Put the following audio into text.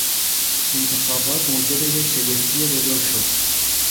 انتخابات موجب یک شگفتی بزرگ شد.